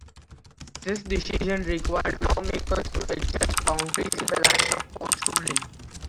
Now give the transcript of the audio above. This decision required lawmakers to adjust boundaries in line with the Court's ruling.